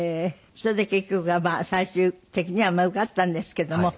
それで結局はまあ最終的には受かったんですけども。